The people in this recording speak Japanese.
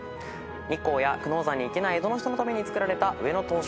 日光や久能山に行けない江戸の人のために造られた上野東照宮。